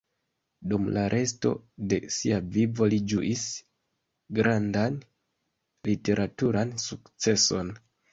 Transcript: Dum la resto de sia vivo li ĝuis grandan literaturan sukceson.